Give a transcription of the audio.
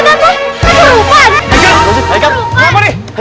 tak jadi kabur kau ya